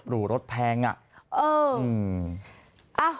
รูปรุฤทธิ์แพงอ่ะ